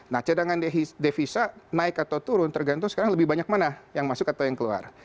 nah cadangan devisa naik atau turun tergantung sekarang lebih banyak mana yang masuk atau yang keluar